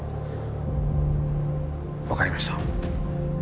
分かりました